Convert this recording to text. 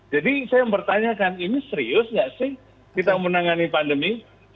jadi saya mempertanyakan ini serius tidak sih kita menangani pandemi